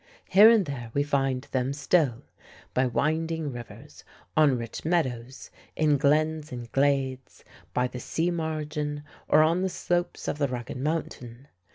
Here and there we find them still by winding rivers, on rich meadows, in glens and glades, by the sea margin, or on the slopes of the rugged mountain.